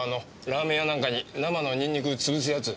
ラーメン屋なんかに生のニンニク潰すやつ。